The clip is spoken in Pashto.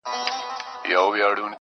چوپ پاته كيږو نور زموږ خبره نه اوري څوك.